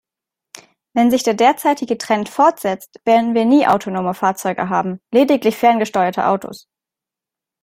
Wenn sich der derzeitige Trend fortsetzt, werden wir nie autonome Fahrzeuge haben, lediglich ferngesteuerte Autos.